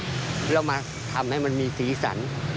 แล้วมาทำให้มันมีสีสัน